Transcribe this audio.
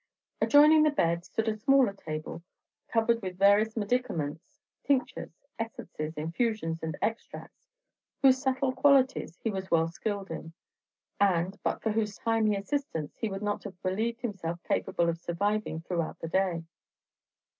Adjoining the bed stood a smaller table, covered with various medicaments, tinctures, essences, infusions, and extracts, whose subtle qualities he was well skilled in, and but for whose timely assistance he would not have believed himself capable of surviving throughout the day.